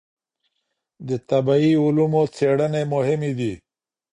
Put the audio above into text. د طبعي علومو څېړنې مهمې دي.